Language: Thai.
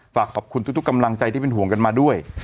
ฝากขอบคุณทุกกำลังใจที่เป็นห่วงกันมาด้วย